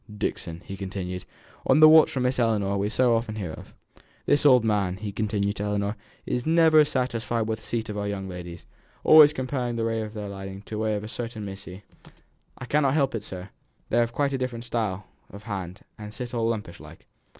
Dixon," he continued, "on the watch for the Miss Ellinor we so often hear of! This old man," he continued to Ellinor, "is never satisfied with the seat of our young ladies, always comparing their way of riding with that of a certain missy " "I cannot help it, sir; they've quite a different style of hand, and sit all lumpish like.